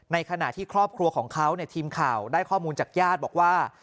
ในขณะที่ครอบครัวของเขาทีมข่าวได้ข้อมูลจากญาติบอกว่า